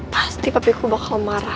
pasti papi ku bakal marah